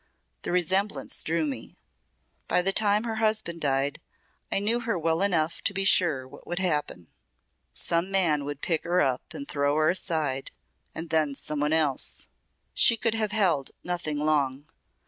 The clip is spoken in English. The resemblance drew me. By the time her husband died I knew her well enough to be sure what would happen. Some man would pick her up and throw her aside and then some one else. She could have held nothing long.